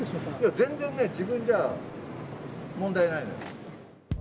全然ね、自分じゃ問題ないの。